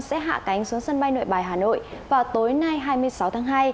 sẽ hạ cánh xuống sân bay nội bài hà nội vào tối nay hai mươi sáu tháng hai